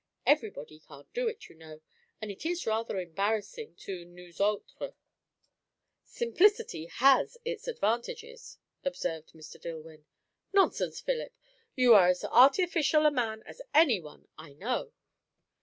Everybody can't do it, you know; and it is rather embarrassing to nous autres." "Simplicity has its advantages," observed Mr. Dillwyn. "Nonsense, Philip! You are as artificial a man as any one I know."